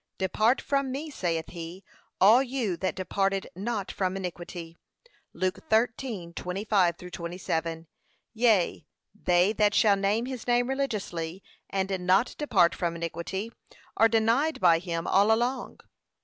'Depart from me,' saith he, 'all you that departed not from iniquity.' (Luke 13:25 27) Yea, they that shall name his name religiously, and not depart from iniquity, are denied by him all along.